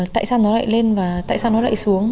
tại sao nó lại lên và tại sao nó lại xuống